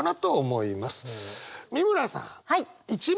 美村さん。